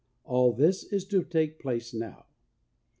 All this is to take place now.